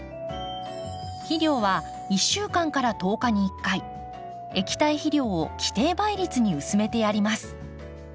肥料は１週間１０日に１回液体肥料を規定倍率に薄めてやります。